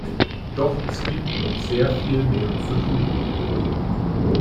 Doch es gibt noch sehr viel mehr zu tun.